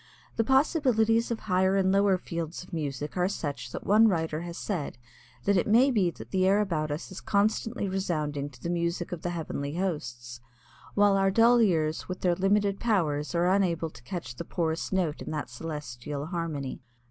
The possibilities of higher and lower fields of music are such that one writer has said that it may be that the air about us is constantly resounding to the music of the heavenly hosts while our dull ears with their limited powers are unable to catch the poorest note in that celestial harmony.